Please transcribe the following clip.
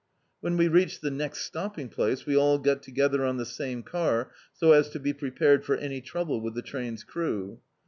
When we reached the next stopping place, we all got together <m the same car, so as to be prepared for any trouble with the train's crew.